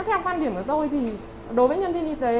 theo quan điểm của tôi thì đối với nhân viên y tế